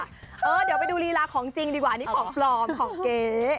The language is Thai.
เดี๋ยวไปดูลีลาของจริงดีกว่านี่ของปลอมของเก๊